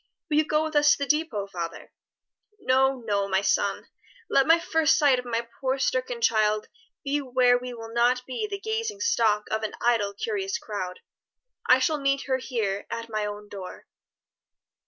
Will you go with us to the depôt, father?" "No, no, my son! let my first sight of my poor stricken child be where we will not be the gazing stock of an idle, curious crowd. I shall meet her here at my own door."